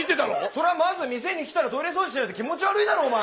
そりゃまず店に来たらトイレ掃除しないと気持ち悪いだろお前！